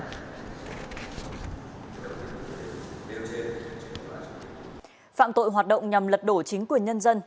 phạm tội hoạt động nhằm lật đổ chính quyền nhân dân